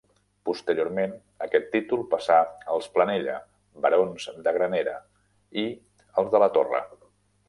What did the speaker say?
Posteriorment, aquest títol passà als Planella, barons de Granera, i als de la Torre.